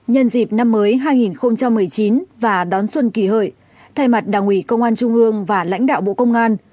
nhân dịp năm mới hai nghìn một mươi chín và đón xuân kỳ hợi thay mặt đảng ủy công an trung ương và lãnh đạo bộ công an